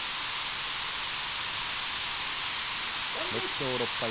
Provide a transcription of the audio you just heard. ６勝６敗